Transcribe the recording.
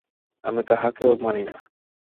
আমি কাহাকেও মানি না।